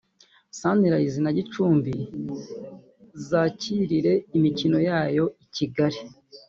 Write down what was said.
Sunrise na Gicumbi zakirire imikino yayo i Kigali